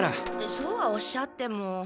そうはおっしゃっても。